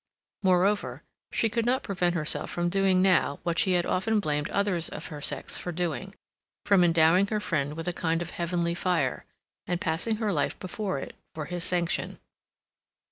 Moreover, she could not prevent herself from doing now what she had often blamed others of her sex for doing—from endowing her friend with a kind of heavenly fire, and passing her life before it for his sanction.